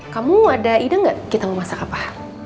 kamu ada ide nggak kita mau masak apa